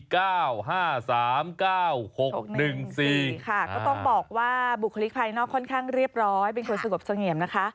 ค่ะก็ต้องบอกว่าบุคลิกภัยนอกค่อนข้างเรียบร้อยเป็นคนสะกดสง่องเห็นนะคะ